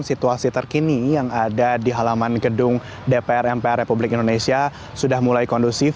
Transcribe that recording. situasi terkini yang ada di halaman gedung dpr ri sudah mulai kondusif